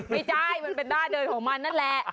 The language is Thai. ไม่ใช่มันเป็นหน้าเดินของมันนั่นแหละ